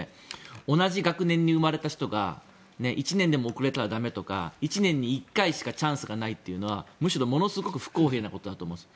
同じ学年に生まれた人が１年でも遅れたら駄目とか１年に１回しかチャンスがないというのはむしろものすごく不公平なことだと思うんです。